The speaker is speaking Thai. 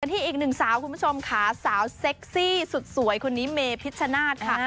ที่อีกหนึ่งสาวคุณผู้ชมค่ะสาวเซ็กซี่สุดสวยคนนี้เมพิชชนาธิ์ค่ะ